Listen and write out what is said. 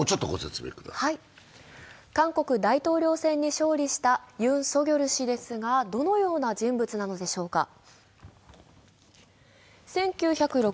韓国大統領選に勝利したユン・ソギョル氏ですがどのような人物なのでしょうか。